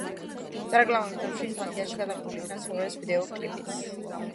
სარეკლამო მიზნებში ისლანდიაში გადაღებული იქნა სიმღერის ვიდეოკლიპიც.